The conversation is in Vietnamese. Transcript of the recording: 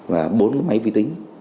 và bốn máy vi tính